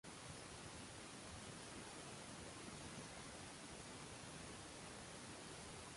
Aholi murojaatlari uchun Yagona onlayn platforma yaratiladi — Shavkat Mirziyoyev